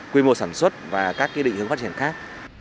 quy mô sản xuất và các định hướng phát triển khác